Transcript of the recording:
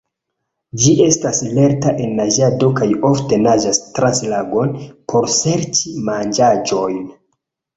Ĝi estas lerta en naĝado kaj ofte naĝas trans lagon por serĉi manĝaĵojn.